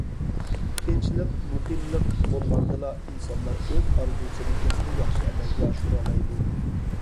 تىنچلىق، مۇقىملىق بولغاندىلا ئىنسانلار ئۆز ئارزۇسىنى تېخىمۇ ياخشى ئەمەلگە ئاشۇرالايدۇ.